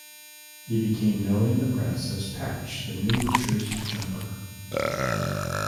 He became known in the press as Patch the New Jersey Jumper.